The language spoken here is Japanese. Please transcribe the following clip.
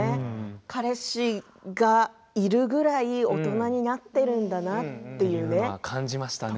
彼氏がいるくらい大人になっているんだなって感じましたね。